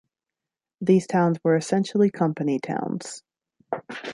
These towns were essentially company towns.